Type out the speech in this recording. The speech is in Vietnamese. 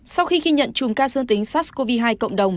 sau khi ghi nhận chùm ca dương tính sars cov hai cộng đồng